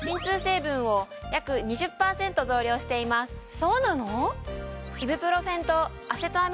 そうなの？